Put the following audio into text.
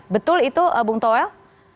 betul itu bung toel